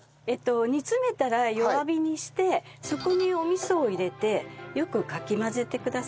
煮詰めたら弱火にしてそこにお味噌を入れてよくかき混ぜてください。